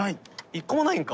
一個も無いんか。